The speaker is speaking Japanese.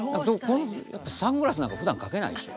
このサングラスなんかふだんかけないでしょ？